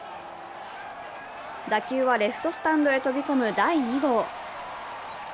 打球はレフトスタンドへ飛び込む第２号。